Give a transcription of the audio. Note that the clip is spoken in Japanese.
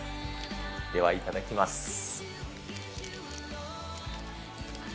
ではいただきます。